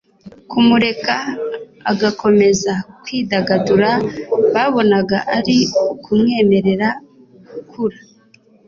Kumureka agakomeza kwidagadura babonaga ari ukumwemerera gukura.